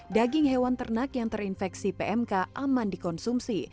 daging hewan ternak yang terinfeksi pmk aman dikonsumsi